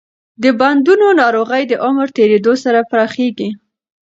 د بندونو ناروغي د عمر تېریدو سره پراخېږي.